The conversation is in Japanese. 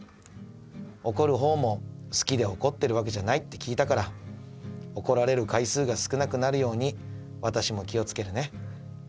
怒るほうも好きで怒ってるわけじゃないって聞いたから怒られる回数が少なくなるように私も気をつけるね。